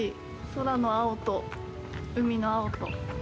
空の青と、海の青と。